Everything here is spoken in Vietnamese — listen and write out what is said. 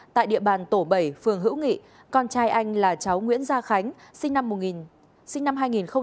tại địa bàn tổ bảy phường hữu nghị con trai anh là cháu nguyễn gia khánh sinh năm hai nghìn một mươi ba